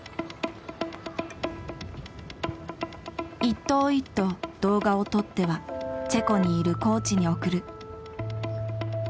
一投一投動画を撮ってはチェコにいるコーチに送る。